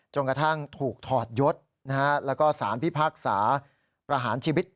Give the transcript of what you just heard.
กระทั่งถูกถอดยศแล้วก็สารพิพากษาประหารชีวิต